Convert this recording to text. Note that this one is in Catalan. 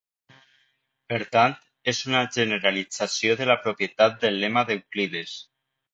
Per tant, és una generalització de la propietat del lema d'Euclides.